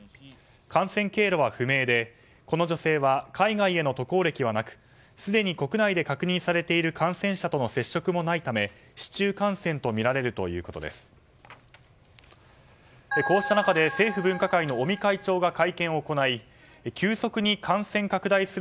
感染経路は不明で、この女性は海外への渡航歴はなくすでに国内で確認されている感染者との接触もないため、市中感染とみられるということです。